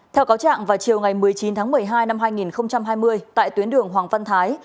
theo cáo trạng vào chiều ngày một mươi chín tháng một mươi hai năm hai nghìn hai mươi tại tuyến đường hoàng văn thái